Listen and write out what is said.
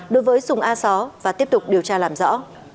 đối với súng a xó và tiếp tục điều tra làm rõ